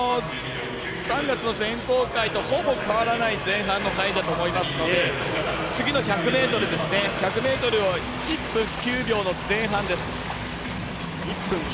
３月の選考会とほぼ変わらない前半の入りだと思いますので次の１００ｍを１分９秒前半です。